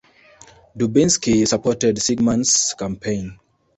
Dubinsky supported Sigman's campaign.